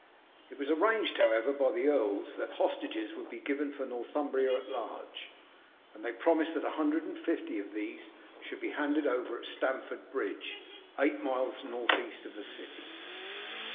It was arranged, however, by the earls, that hostages should be given for Northumbria at large, and they promised that a hundred and fifty of these should be handed over at Stamford Bridge, eight miles north east of the city.